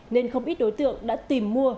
nên không ít đối tượng đã tìm mua